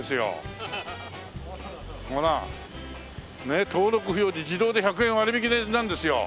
ねえ登録不要で自動で１００円割引なんですよ。